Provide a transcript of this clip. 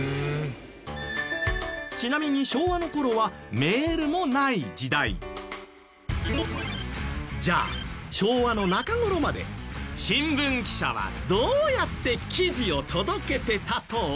ちなみに昭和の頃はじゃあ昭和の中頃まで新聞記者はどうやって記事を届けてたと思う？